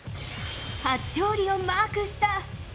初勝利をマークした。